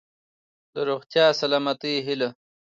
د روغتیا ،سلامتۍ هيله .💡